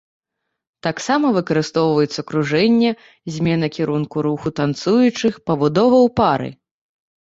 Таксама выкарыстоўваюцца кружэнне, змена кірунку руху танцуючых, пабудова ў пары.